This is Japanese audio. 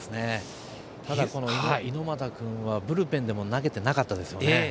ただ、猪俣君はブルペンでも投げていなかったですよね。